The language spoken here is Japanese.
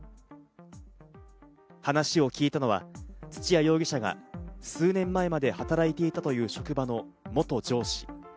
話を聞いたのは土屋容疑者が数年前まで働いていたという職場の元上司。